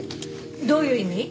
どういう意味？